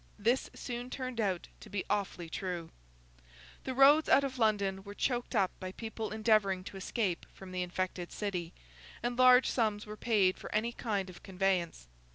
This soon turned out to be awfully true. The roads out of London were choked up by people endeavouring to escape from the infected city, and large sums were paid for any kind of conveyance.